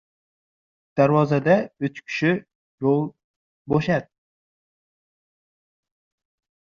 • Darvozada uch kishiga yo‘l bo‘shat: qariyalarga, bolalarga va ayollarga.